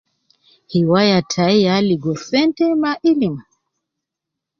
Hiwaya tayi ya ligo sente ma ilim.